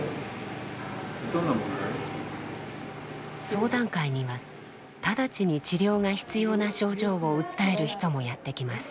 相談会には直ちに治療が必要な症状を訴える人もやって来ます。